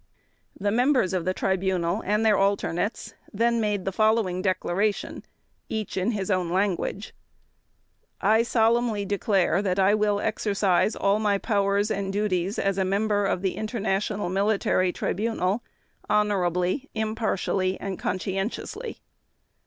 The Members of the Tribunal and their Alternates then made the following declaration, each in his own language: "I solemnly declare that I will exercise all my powers and duties as a Member of the International Military Tribunal honorably, impartially, and conscientiously."